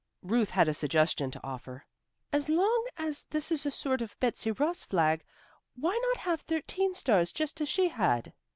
Ruth had a suggestion to offer. "As long as this is a sort of Betsy Ross flag, why not have thirteen stars, just as she had?"